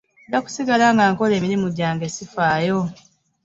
Nja kusigala nga nkola mirimu gyange ssifaayo.